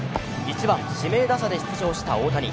１番・指名打者で出場した大谷。